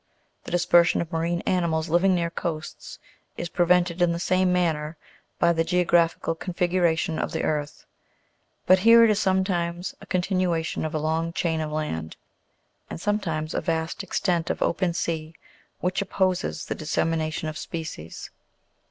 The dispersion of marine animals living near coasts is pre vented in the same manner by the geographical configuration of the earth; but here it is sometimes a continuation of a long chain of land, and sometimes a vast extent of open sea, which opposes the dissemination of species.